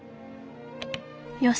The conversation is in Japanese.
よし！